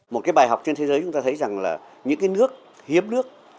một cái bài học trên thế giới chúng ta thấy rằng là những cái nước hiếm nước